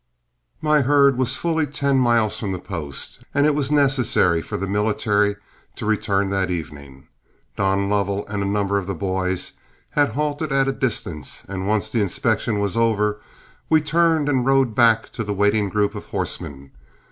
My herd was fully ten miles from the post, and it was necessary for the military to return that evening. Don Lovell and a number of the boys had halted at a distance, and once the inspection was over, we turned and rode back to the waiting group of horsemen.